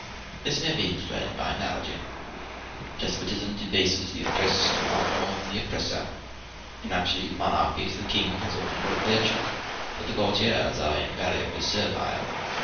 This may be explained by analogy; despotism debases the oppressed much more than the oppressor: in absolute monarchies the king has often great virtues, but the courtiers are invariably servile.